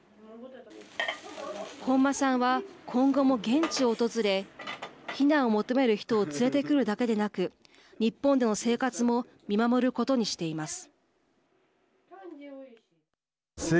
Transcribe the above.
本間さんは、今後も現地を訪れ避難を求める人を連れてくるだけでなく日本での生活も見守ることにしています。